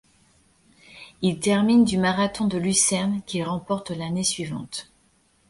Il termine du marathon de Lucerne qu'il remporte l'année suivante.